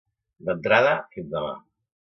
D'entrada, fins demà.